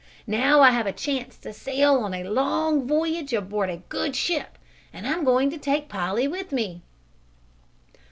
Now I have a chance to sail on a long voyage aboard a good ship, and I'm going to take Polly with me."